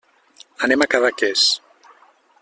Anem a Cadaqués.